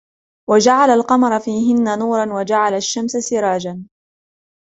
وجعل القمر فيهن نورا وجعل الشمس سراجا